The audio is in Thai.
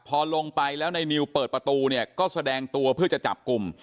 พอลงไปแล้วในนิวเปิดประตูเนี่ยก็แสดงตัวเพื่อจะจับกลุ่ม